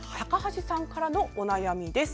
高橋さんからのお悩みです。